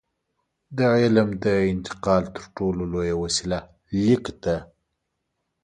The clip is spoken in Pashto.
د علم د انتقال تر ټولو لویه وسیله لیک ده.